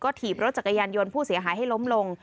ถีบรถจักรยานยนต์ผู้เสียหายให้ล้มลง